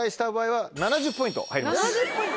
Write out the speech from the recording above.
・７０ポイント？